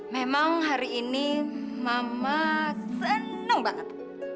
memang hari ini mama senang banget